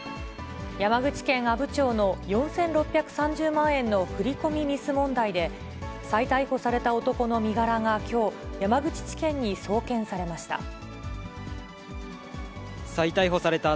山口県阿武町の４６３０万円の振り込みミス問題で、再逮捕された男の身柄がきょう、山口地検に送検されました。